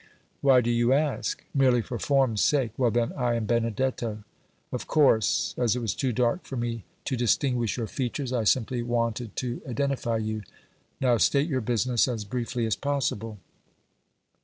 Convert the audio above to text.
"Why do you ask?" "Merely for form's sake." "Well, then, I am Benedetto." "Of course. As it was too dark for me to distinguish your features, I simply wanted to identify you. Now, state your business as briefly as possible."